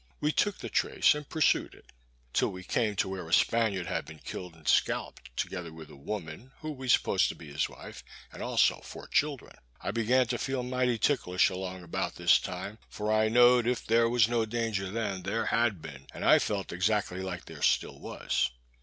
We took this trace and pursued it, till we came to where a Spaniard had been killed and scalped, together with a woman, who we supposed to be his wife, and also four children. I began to feel mighty ticklish along about this time, for I knowed if there was no danger then, there had been; and I felt exactly like there still was.